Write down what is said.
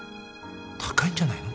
高いんじゃないの？